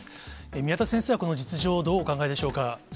宮田先生はこの実情をどうお考えでしょうか。